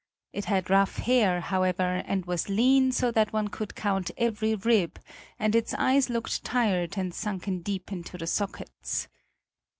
It had rough hair, however, and was lean, so that one could count every rib and its eyes looked tired and sunken deep into the sockets.